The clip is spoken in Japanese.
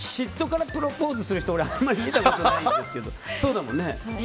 嫉妬からプロポーズする人あんまり見たことないですけどそうだもんね。